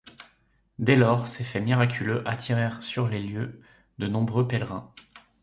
Dès lors, ces faits miraculeux attirèrent sur les lieux de nombreux pèlerins.